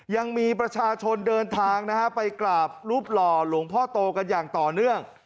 ยังมีประชาชนเดินทางนะฮะไปกราบรูปหล่อหลวงพ่อโตกันอย่างต่อเนื่อง